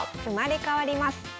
生まれ変わります！